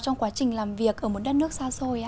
trong quá trình làm việc ở một đất nước xa xôi ạ